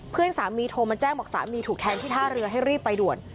เพื่อนสามีโทรมาแจ้งบอกสามีถูกแทงที่ท่าเรือให้รีบไปด่วน